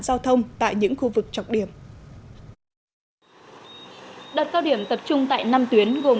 giao thông tại những khu vực trọng điểm đợt cao điểm tập trung tại năm tuyến gồm